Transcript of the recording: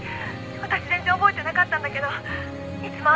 私全然覚えてなかったんだけどいつも